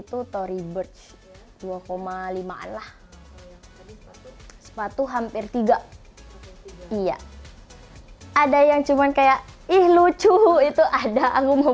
pas itu tory burch dua lima allah sepatu hampir tiga iya ada yang cuman kayak ih lucu itu ada aku mau